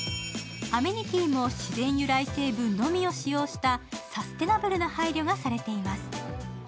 アメニティーも自然由来成分のみを使用した、サステナブルな配慮がされています。